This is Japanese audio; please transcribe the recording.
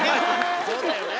そうだよね。